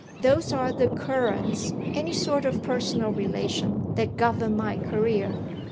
Those are the currents any sort of personal relation that govern my career."